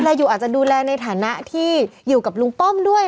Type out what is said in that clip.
อยู่อาจจะดูแลในฐานะที่อยู่กับลุงป้อมด้วย